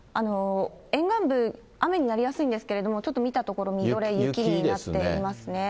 沿岸部、雨になりやすいんですけれども、ちょっと見たところ、みぞれ、雪ですね。